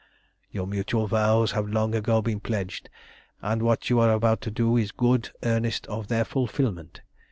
"Your mutual vows have long ago been pledged, and what you are about to do is good earnest of their fulfilment.